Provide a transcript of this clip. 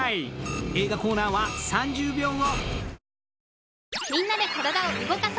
映画コーナーは３０秒後！